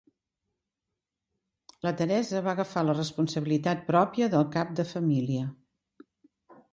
La Teresa va agafar la responsabilitat pròpia del cap de família.